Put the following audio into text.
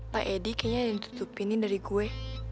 pak edi kayaknya yang ditutupin dari gue